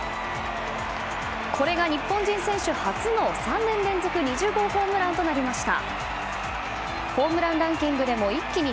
日本人選手初の、３年連続２０号ホームランとなりました。